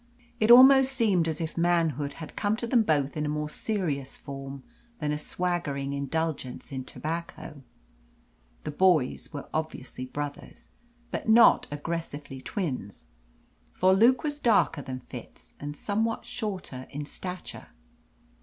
It almost seemed as if manhood had come to them both in a more serious form than a swaggering indulgence in tobacco. The boys were obviously brothers, but not aggressively twins. For Luke was darker than Fitz, and somewhat shorter in stature.